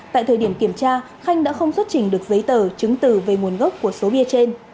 tại thời điểm kiểm tra khanh đã không xuất trình được giấy tờ chứng từ về nguồn gốc của số bia trên